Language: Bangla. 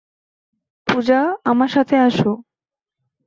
পূজা, আমার সাথে আসো।